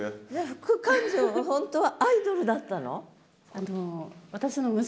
副館長は本当はアイドルだったの？